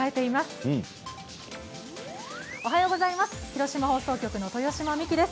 広島放送局の豊島実季です。